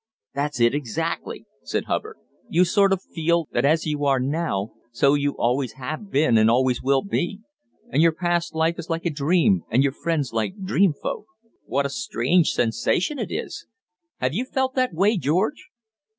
"That's it exactly," said Hubbard. "You sort of feel, that as you are now, so you always have been and always will be; and your past life is like a dream, and your friends like dream folk. What a strange sensation it is! Have you felt that way, George?"